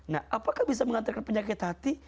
nah apakah bisa mengantarkan penyakit hati